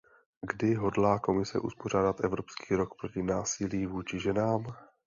Kdy hodlá Komise uspořádat Evropský rok proti násilí vůči ženám?